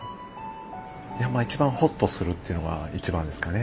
一番ほっとするっていうのが一番ですかね。